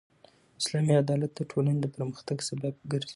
اسلامي عدالت د ټولني د پرمختګ سبب ګرځي.